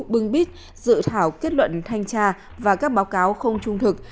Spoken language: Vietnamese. bưng bít dự thảo kết luận thanh tra và các báo cáo không trung thực